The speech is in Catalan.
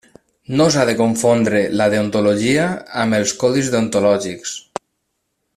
No s'ha de confondre la deontologia amb els codis deontològics.